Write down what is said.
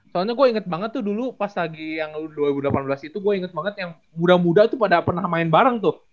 soalnya gue inget banget tuh dulu pas lagi yang dua ribu delapan belas itu gue inget banget yang muda muda tuh pada pernah main bareng tuh